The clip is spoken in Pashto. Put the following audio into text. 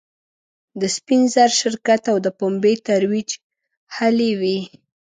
د سپین زر شرکت او د پومبې ترویج هلې وې.